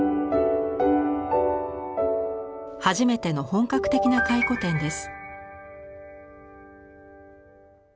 初めての本格的な回顧展です。